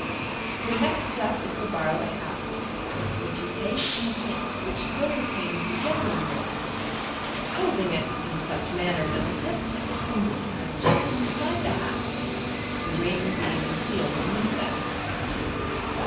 Your next step 19 to borrow a hat. which you take in the hand which still retains the genuine ring holding it in such manner that the tips of the fingers are just inside the hat, the ring being concealed beneath them.